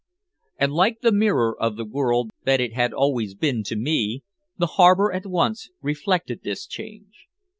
And like the mirror of the world that it had always been to me, the harbor at once reflected this change.